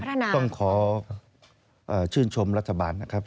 ต้องขอชื่นชมรัฐบาลนะครับ